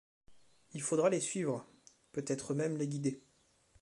Il faudra les suivre, peut-être même les guider.